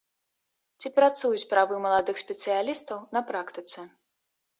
Ці працуюць правы маладых спецыялістаў на практыцы?